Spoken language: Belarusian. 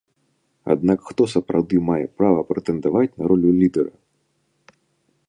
Аднак хто сапраўды мае права прэтэндаваць на ролю лідэра?